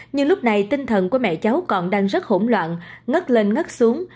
nhưng lúc này tinh thần của mẹ cháu còn đang rất hỗn loạn ngất lên ngất xuống